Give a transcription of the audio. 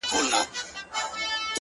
وينه د وجود مي ده ژوندی يم پرې!!